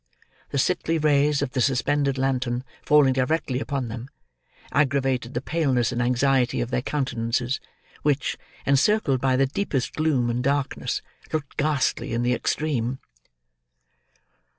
The sickly rays of the suspended lantern falling directly upon them, aggravated the paleness and anxiety of their countenances: which, encircled by the deepest gloom and darkness, looked ghastly in the extreme.